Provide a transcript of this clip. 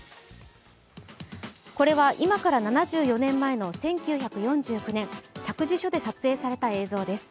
これは今から７４年前の１９４９年、託児所で撮影された映像です。